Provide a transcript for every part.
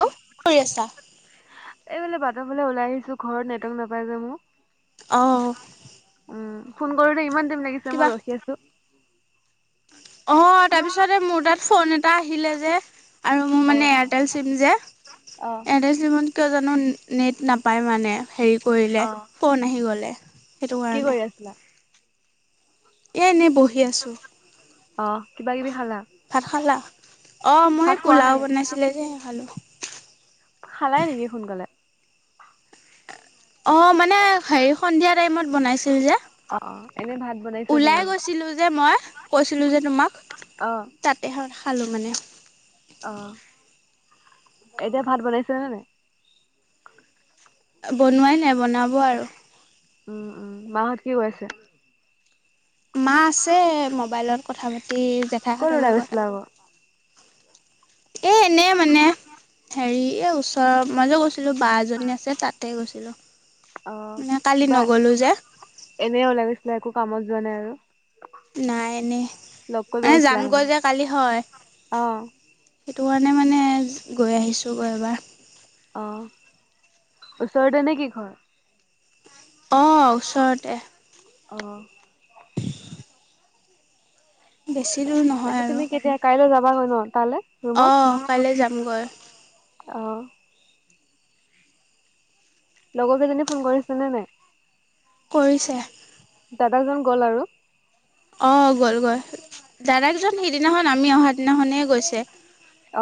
কৰি আছা? এইবিলাক বাদ বোলে ওলাই আহিছো ঘৰত নটক নাপাই যে মোৰ। অ'-অ'। উম ফোন কৰোতে ইমান টাইম লাগিছে মই ৰখি আছো। অ', তাৰপিছতে মোৰ তাত ফোন এটা আহিলে যে। আৰু মোৰ মানে অ', এয়াৰটেল চিম যে, অ', এয়াৰটেল চিমত কিয় জানো নেট নাপায় মানে হেৰি কৰিলে, অ'। ফোন আহি গ'লে। সেইটো কি কাৰণে কৰি আছিলা? এ এনেই বহি আছোঁ। অ', কিবা কিবি খালা? ভাত খালা? অ মই ভাত স খোৱা পোলাও নাই? বনাইছিলে যে সে খালো। খালাই নেকি সোনকালে? অ' মানে হেৰি সন্ধিয়া টাইমত বনাইছিল যে। অ-অ। ওলাই গৈছিলো যে মই কৈছিলো যে তোমাক তাতে, হয়। খালোঁ মানে। অহ এতিয়া ভাত বনাইচানে নাই? বনোৱাই নাই বনাব আৰু। উম-উম। মাহঁত কি কৰিছে? মা আছে মোবাইলত কথা পাতি ক'ত জেঠাইহঁতৰ ওলাই লগত। গৈছিলা আকৌ? এ এনেই মানে হেৰি এ ওচৰৰ মই যে কৈছিলো বা এজনী আছে তাতে গৈছিলো। অ' কিবা এনে ওলাই গৈ, একো কামত যোৱা নাই আৰু। নাই এনে, লগ কৰিব মানে গৈছিলা যামগৈ যে কালি হয়। অ', সেইটো কাৰণে মানে গৈ আহিছোঁ ব এবাৰ। অ' ওচৰতে নে কি ঘৰ? অঁ' ওচৰতে। অ। বেছি দূৰ নহয় বাকী আৰু তুমি কেতিয়া কাইলৈ যাবা গৈ ন? তালে অঁ ৰুমত? কাইলৈ যামগৈ অ, অ। অ। লগৰ কেইজনী ফোন কৰিছে নে নাই? কৰিছে। দাদা জন গ'ল আৰু? অ, গল গৈ। দাদাজন সিদিনাখন আমি অহা দিনাখনেই গৈছে।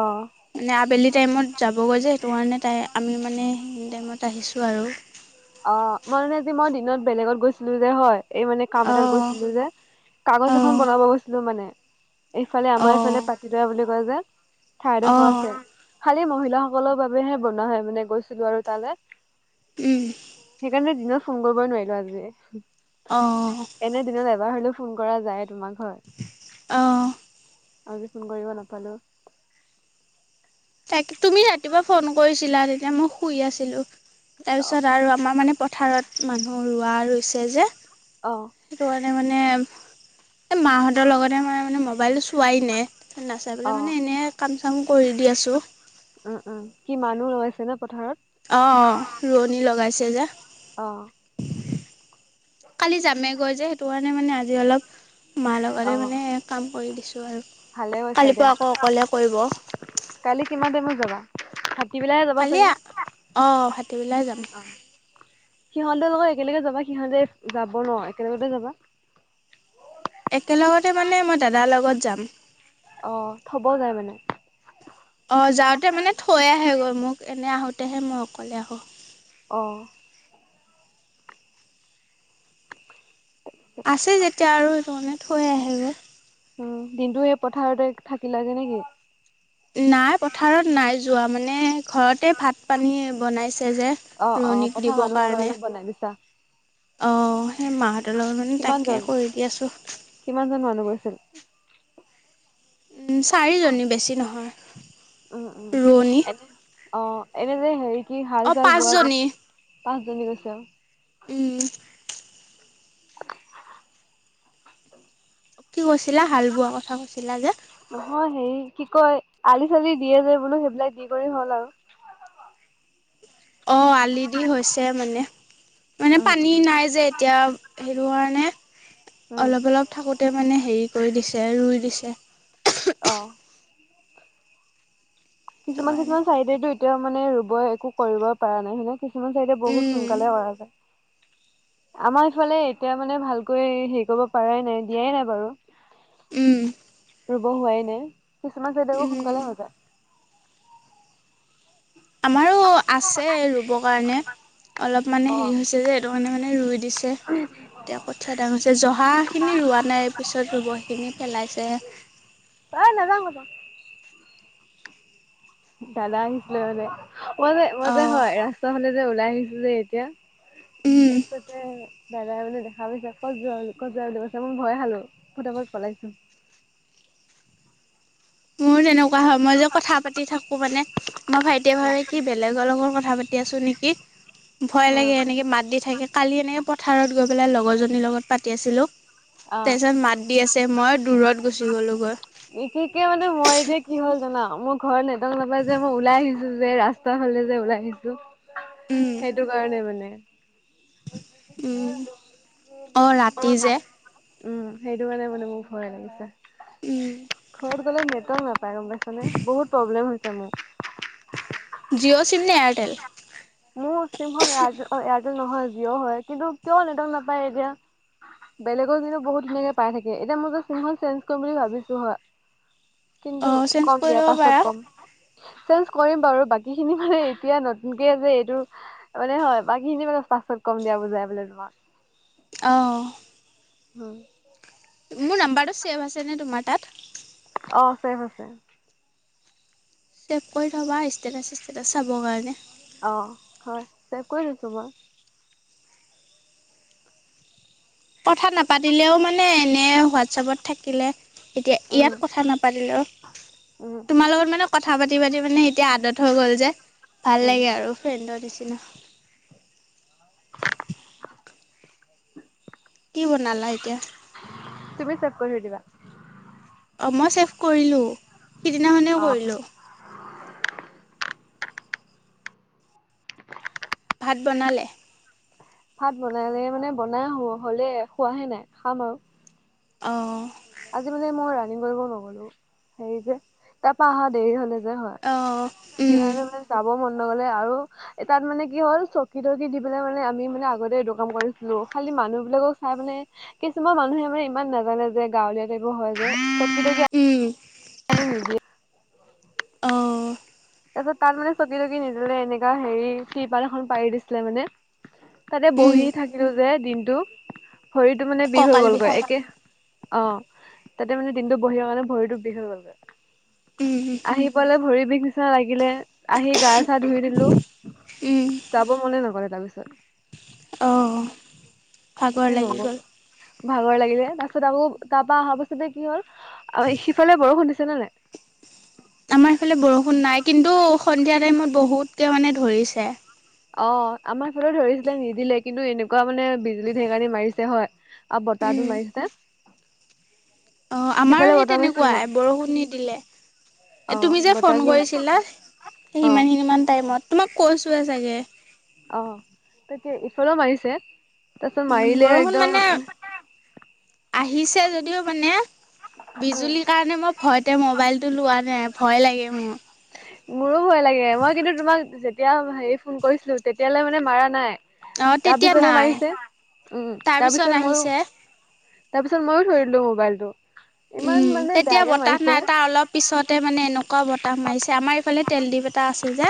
অ'। মানে আবেলি টাইমত যাবগৈ যে, সেইটো কাৰণে তাই আমি মানে সেইখিনি টাইমত আহিছোঁ আৰু। অ মই মানে যে মই দিনত বেলেগত গৈছিলো যে হয়। এই মানে কাম এটাত অঁ গৈছিলো যে। কাগজ এখন অঁ বনাব গৈছিলো মানে। এইফালে আমাৰ অঁ এইফালে পাতিদৰা বুলি কয় যে। ঠাইডোখৰ অঁ আছে। খালী মহিলাসকলৰ বাবেহে বনোৱা হয় মানে গৈছিলো আৰু তালে। সেইকাৰণে দিনত ফোন কৰিবই নোৱাৰিলো আজি। অঁ এনে দিনত এবাৰ হলেও ফোন কৰা যায় তোমাৰ ঘৰত। অঁ আজি ফোন কৰিব নাপালো। তাক তুমি ৰাতিপুৱা ফোন কৰিছিলা। তেতিয়া মই শুই আছিলো। অ তাৰপিছত আৰু আমাৰ মানে পথাৰত মানুহ ৰোৱা ৰুইছে যে। অ। মে মানে এ মাহঁতৰ লগতে মানে মানে মবাইলটো চোৱাই নাই। নাচায় পেলাই অ মানে এনেই কাম চাম কৰি দি আছো। উম, উম। কি মানুহ ৰৈ আছে নে পথাৰত? অ ৰোৱনী লগাইছে যে। অহ। কালি যামেগৈ যে সেইটো কাৰণে মানে আজি অলপ মাৰ অ লগতে মানে কাম কৰি দিছোঁ আৰু। ভালে কৈইছা কালিৰ পৰা দিয়া। আকৌ অকলে কৰিব কালি কিমান টাইমত যাবা? ভাটিবেলাহে যাবা কালি আ চাগে অ ভাটিবেলাই যাম। সিহঁতে লগত একেলগে যাবা সিহঁতে যাব ন। একেলগতে যাবা। একেলগতে মানে মই দাদাৰ লগত যাম। অ থব যায় মানে? অ যাওঁতে মানে থৈ আহে গৈ মোক এনে আহোতেহে মই অকলে আহো। অ আছে যেতিয়া আৰু সেইটো কাৰণে থৈ আহে গৈ। উম দিনটো সেই পথাৰতে থাকিলাগে নেকি? নাই পথাৰত নাই যোৱা মানে ঘৰতে ভাত পানী বনাইছে যে অ অ ৰোৱনীক পথাৰ দিবৰ মানুহৰ কাৰণে। বনাই দিছা আহ সেই মাহঁতৰ লগত মানে তাকে কিমানজন কৰি দি আছো। কিমানজন মানুহ গৈছিল? চাৰিজনী বেছি নহয়। উম উম ৰোৱনী এনে অ এনে যে হেৰি কি অ হাল চাল বোৱা গ'ল। পাঁচজনী পাঁচজনী গৈছে আৰু উম [inaudible] কি কৈছিলা হাল বোৱা কথা কৈছিলা যে। নহয় হেৰি কি কয় আলি চালি দিয়ে যে বোলো সেইবিলাক দি কৰি হ'ল আৰু? অ আলি দি হৈছে মানে। মানে উম পানী উম নাই যে এতিয়া সেইটো কাৰণে উম অলপ অলপ থাকোতে মানে হেৰি কৰি দিছে ৰুই দিছে। অ সেইটো কিছুমান কাৰণে কিছুমান চাইডেতো এতিয়া মানে ৰুব একো কৰিব পৰা নাই হয়নে? কিছুমান চাইডে বহুত উম সোনকালে কৰা যায়। আমাৰ ইফালে এতিয়া মানে ভালকৈ হেৰি কৰিব পাৰাই নাই দিয়াই নাই বাৰু। উম। ৰুব হোৱাই নাই কিছুমান চাই আকৌ উম সোনকালে হৈ যায়। আমাৰো আছে ৰুবৰ কাৰণে অলপ মানে অ হেৰি হৈছে যে এইটো কাৰণে মানে ৰুই- দিছে। এতিয়া কঠীয়া ডাঙছে জহাখিনি ৰোৱা নাই পিছত ৰুব সেইখিনি পেলাইছে। অ নযাং কতো দাদা আহিছিলে মানলে ম অ মতে হয় ৰাস্তা ফালে যে ওলাই আহিছো যে এতিয়া উম তাৰ পিছতে দাদাই মানে দেখা পাইছে কতজোৱা কতজোৱা কৈছে মই ভয়ে খালো ফুটাফত পলাইছো। [unintelligible] মোৰো তেনেকুৱা হয় মই যে কথা পাতি থাকো মানে মই ভাইটিয়ে ভাবে কি বেলেগৰ লগত কথা পাতি আছো। ভয় লাগ এনেকে মাত দি থাকে কালি এনেই পথাৰত গৈ পেলাই লগৰ জনীৰ লগত পাতি আছিলো। অ তাৰপিছত মাত দি আছে মই দূৰত গুচি গলো গৈ। বিশেষকে মানে মই এতিয়া কি হল জানা মোৰ ঘৰত নেটৱৰ্ক নাপাই যে মই ওলাই আহিছো যে ৰাস্তা ফালে যে ওলাই আহিছো- উম সেইটো কাৰণে মানে উম অ ৰাতি যে উম সেইটো কাৰণে মানে মোৰ ভয় উম লাগিছে ঘৰত গলে নেটৱৰ্ক নাপাওঁ এইফালে গম পাইছানে বহুত প্ৰব্লেম হৈছে মোৰ। জিঅ' চিম নে এয়াৰটেল? মোৰ চিমখন এয়াৰ এয়াৰটেল নহয় জিঅ হয় কিন্তু কিয় নেটৱৰ্ক নাপায় এতিয়া বেলেগৰ কিন্তু বহুত ধুনীয়াকে পাই থাকে এতিয়া মই যে চিনখন চেঞ্জ কৰিম বুলি ভাবিছো হয়। কিন্তু অঁ চেঞ্জ কম কৰি দিয়া ল'ব পাছত পাৰা কম। চেঞ্জ কৰিম বাৰু বাকী খিনি মানে এতিয়া নতুনকে যে মানে হয় বাকীখিনি মানে পাছত কম দিয়া বুজাই বোলে তোমাক। অহ হুম। মোৰ নাম্বাৰটো ছেভ আছেনে তোমাৰ তাত অ ছেফ আছে চেভ কৰি থবা ষ্টেটাছ চিষ্টেটাচ চাবৰ কাৰণে অ হয় চেভ কৰি থৈছোঁ বাৱ কথা নাপাতিলেও মানে এনে হোৱাটছাপত থাকিলে এতিয়া উম ইয়াত কথা নাপাতিলেও উম তোমাৰ লগত মানে কথা পাতি পাতি মানে এতিয়া আদত হৈ গ'ল যে ভাল উম লাগে আৰু ফ্ৰেণ্ডৰ নিচি চিনা কি বনালা এতিয়া তুমি ছেভ কৰি থৈ দিবা অঁ মই ছেভ কৰিলোঁ সিদিনাখনে অ কৰিলোঁ ভাত বনালে ভাত বনালে মানে বনাই হ হ'লে খোৱাহে নাই খাম আৰু অহ আজি মানে মই ৰানিং কৰিব নগলো হেৰি যে তাপা অহা দেৰি হ'লে যে হয় অ সেইকাৰণে মানে যাব মন নগলে আৰু এ তাত মানে কি হ'ল চকী তকি দি পেলাই মানে আমি মানে আগতে এইটো কাম কৰিছিলো খালি মানুহ বিলাকক চাই মানে কিছুমান মানুহে মানে ইমান নাজানে যে গাঁৱলীয়া টাইপৰ হয় যে তকি উম [unintelligible] অহ তাপিছত তাত মানে চকী তকি নিদিলে এনেকা হেৰি টিপাল এখন পাৰি দিছিলে মানে তাতে উম বহি থাকিলো যে দিনটো শৰীৰটো মানে বিষ হৈ কঁকাল গ'ল গৈ বিষাই একে অ তাতে মানে দিনটো বহি মানে ভৰিটো বিষ হৈ গলগে উম আহি পেলাই ভৰি বিষ নিচিনা লাগিলে আহি গা চা ধুই দিলো উম যাব মনে নগলে তাপিছত অঁ ভাগৰ তাকে লাগি নগ'লো। গ'ল ভাগৰ লাগিলে তাৰ পছত আকৌ তাপা অহা পাছতে কি হ'ল আৰু সিফালে বৰষুণ দিছে দিচে নে নাই আমাৰ এইফালে বৰষুণ নাই কিন্তু সন্ধিয়া টাইমত বহুতকে মানে ধৰিছে অ আমাৰ ফালে ধৰিছিলে নিদিলে কিন্তু এনেকুৱা মানে বিজুলী ঢেৰেকনি মাৰিছে হয় আৰু বতাহটো উম মাৰিছে অ আমাৰো সিফালে সেই বতাহ মাৰিছিল ন তেনেকুৱাই বৰষুণ নিদিলে এ অ' তুমি যে ফোন বতাহটো কৰিছিলা অ' সিমান সিনিমান টাইমত তোমাক কৈছোৱে চাগে অহ তেতিয়া ইফালেও মাৰিছে তাপাছত উম মাৰিলে বৰষুণ একদম মানে আহিছে যদিও মানে বিজুলীৰ কাৰণে মই ভয়তে মোবাইলটো লোৱা নাই ভয় লাগে মোৰ মোৰো ভয় লাগে মই কিন্তু তোমাক যেতিয়া হেৰি ফোন কৰিছিলো তেতিয়ালে মানে মাৰা নাই অ তা তেতিয়া পিছতহে নাই মাৰিছে উম তাৰপিছত তাপিছত ময়ো আহিছে তাপিছত ময়ো থৈ দিলো মোবাইলটো ইমান উম মানে তেতিয়া বেয়াকে বতাহ মাৰিছে নাই তাৰ অলপ পিছতে মানে এনেকুৱা বতাহ তাহ মাৰিছে আমাৰ এইফালে টেল দিপ এটা আছে যে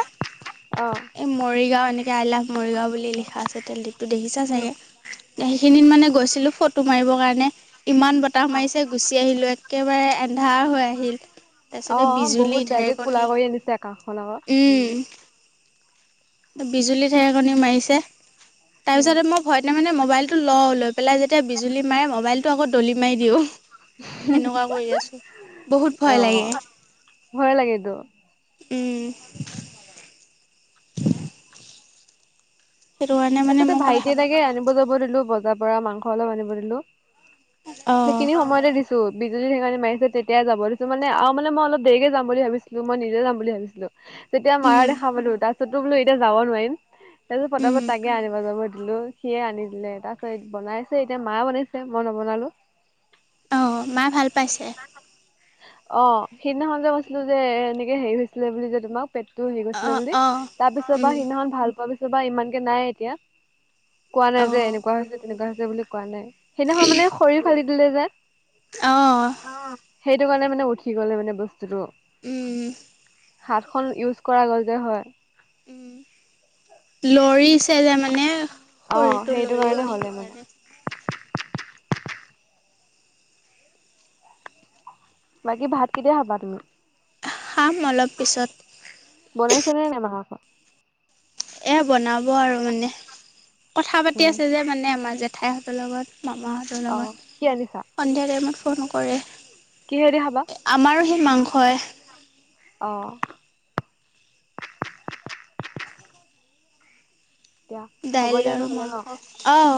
অ এ মৰি মৰিগাঁও এনেকে আই লাভ মৰিগাঁও বুলি লিখা আছে তেলদিপ টো দেখিছা উম চাগে সেইখিনিত মানে গৈছিলো ফটো মাৰিব কাৰণে ইমান বতাহ মাৰিছে অ গুচি আহিলোঁ একেবাৰে এন্ধাৰ হৈ আহিল তাৰ পিছতে অ বিজুলী বহুত বেয়াকে কোলা ঢেৰকনী কৰি আনিছে আকাশখন আকৌ উম ঢেৰকণী মাৰিছে উম তাৰপিছতে মই ভয়তে মানে ম'বাইলটো লওঁ ল পেলাই যেতিয়া বিজুলী মাৰে মোবাইলটো আকৌ দলি মাৰি দিওঁ সেনেকুৱা কৰি আছো বহুত অ ভয় লাগে ভয় লাগেতো উম সেইটো কাৰণে তাৰ মানে পিছতে মই কথা ভাইটি পতা এটাকে নাই আনিব যাব দিলো বজাৰ পৰা মাংস অলপ আনিব দিলো অঁ সেইখিনি সময়তে দিছো বিজুলী ঢেকনী মাৰিছে তেতিাই যাব দিছো মানে আৰু মানে মই অলপ দেৰিকে যাম বুলি ভাবিছিলো মই নিজে যাম বুলি ভাবিছিলো যেতিয়া মাৰা উম দেখা পালো তাৰ পিছতো বোলো এতিয়া যাব নোৱাৰিম তাৰপিছত উম পতাপত তাকে আনিব যাব দিলো সিয়ে আনি দিলে তাৰপিছত বনাইছে এতিয়া মায়ে বনাইছে মই নবনালো অ মায়ে ভাল পাইছে অ সেইদিনাখন যে কৈছিলো যে এনেকে হেৰি হৈছিলে বুলি যে তোমাক পেটটো হেৰি গৈছিলে অঁ বুলি অঁ তাৰ পিছত উম বা সিদিনাখন ভাল পোৱা পিছত বা ইমানকে নাই এতিয়া কোৱা নাই যে অঁ এনেকুৱা হৈছে তেনেকুৱা হৈছে বুলি কোৱা নাই সেইদিনাখন মানে শৰীৰ ফালি দিলে যে অঁ অ সেইটো কাৰণে মানে উঠি গলে মানে বস্তুটো উম হাতখন ইউজ কৰা গ'ল যে হয় উম লৰিছে যে মানে অ শৰীৰটো সেইটো লৰি কাৰণে গল হ'লে সেইটো মানে কাৰণে বাকী ভাত কেতিয়া খাবা তুমি খাম অলপ পিছত বনাইছেনে নে [unintelligible] এ বনাব আৰু মানে কথা পাতি উম আছে যে মানে আমাৰ জেঠাইহঁতৰ লগত মামাহঁতৰ অ লগত, কি আনিছা সন্ধিয়া টাইমত ফোন কৰে। কিহেদি খাবা আমাৰো সেই মাংসই। অ এতিয়া হ'ব দাইল দিয়া আৰু নহ'লে ন? মাংস অঁ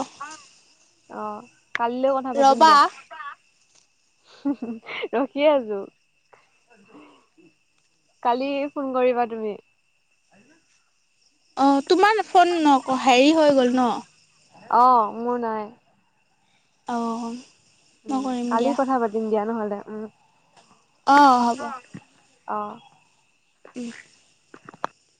অ কালিলৈও কথা পাতিম ৰ'বা দিয়া। হ হ ৰখি আছো। কালি ফোন কৰিবা তুমি। অ তোমাৰ ফোন নক হেৰি হৈ গ'ল ন? অ মোৰ নাই। অ। উম কালি কথা পাতিম দিয়া নহলে। উম অঁ হ'ব। অ। উম।